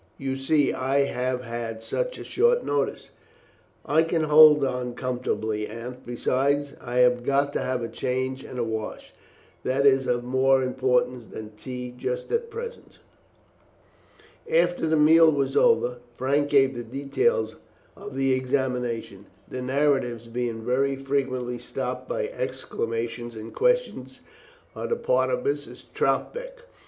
You see I have had such a very short notice." "I can hold on comfortably, Aunt; besides, I have got to have a change and a wash. That is of more importance than tea just at present." After the meal was over, Frank gave the details of the examination, the narrative being very frequently stopped by exclamations and questions on the part of Mrs. Troutbeck.